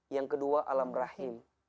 yang kedua alam rahim